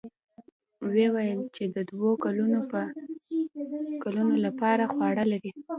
ويې ويل چې د دوو کلونو له پاره خواړه لري.